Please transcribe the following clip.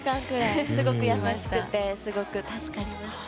すごく優しくてすごく助かりました。